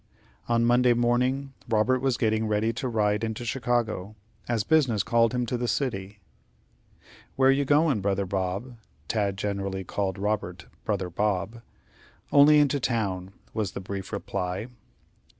On Monday morning, Robert was getting ready to ride into Chicago, as business called him to the city. "Where you goin', brother Bob?" Tad generally called Robert, brother Bob. "Only into town!" was the brief reply.